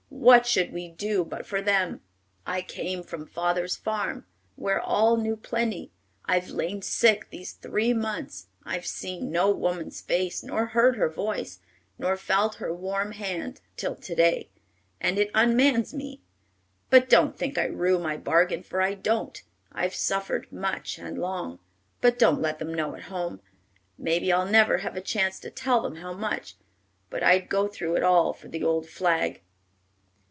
'What should we do but for them? I came from father's farm, where all knew plenty; I've lain sick these three months; I've seen no woman's face, nor heard her voice, nor felt her warm hand till to day, and it unmans me; but don't think I rue my bargain, for I don't. I've suffered much and long, but don't let them know at home. Maybe I'll never have a chance to tell them how much; but I'd go through it all for the old flag.'"